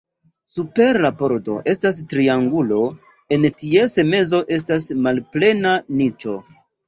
Super la pordo estas triangulo, en ties mezo estas malplena niĉo.